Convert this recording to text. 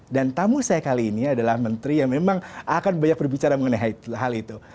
dan tamu saya kali ini adalah menteri yang memang akan banyak berbicara mengenai hal itu